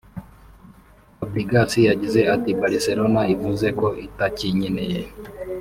Fabregas yagize ati “Barcelona ivuze ko itakinkeneye